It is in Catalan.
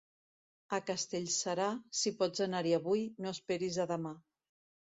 A Castellserà, si pots anar-hi avui, no esperis a demà.